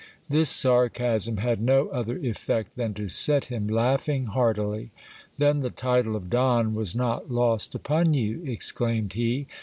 This sar casm had no other effect than to set him laughing heartily. Then the title of Don was not lost upon you ! exclaimed he.